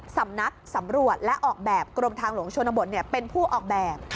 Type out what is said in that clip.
สำนักสำรวจและออกแบบกรมทางหลวงชนบทเป็นผู้ออกแบบ